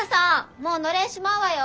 もうのれんしまうわよ。